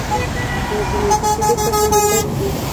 د جنوبي چیلي په سمندر کې